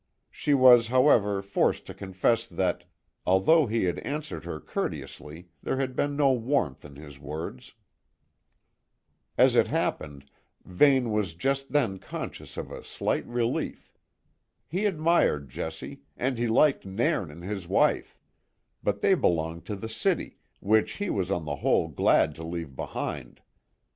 She was, however, forced to confess that, although he had answered her courteously, there had been no warmth in his words. As it happened, Vane was just then conscious of a slight relief. He admired Jessie, and he liked Nairn and his wife; but they belonged to the city, which he was on the whole glad to leave behind.